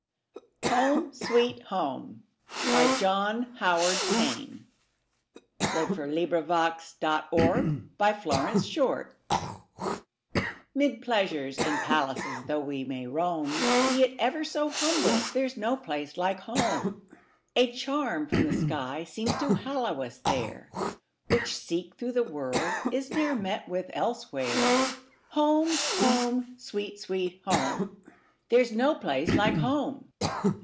i, the Maid of Milan" John Howard Payne 1791–1852 John Howard Payne 14 Home, Sweet Home MID PLEASURES and palaces though we may roam, Be it ever so humble there 's no place like home!A charm from the sky seems to hallow us there, Which, seek through the world, is ne'er met with elsewhere. Home! home! sweet, sweet home! There 's no place like home!